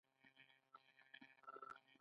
آیا د تبریز او اصفهان غالۍ ځانګړې نه دي؟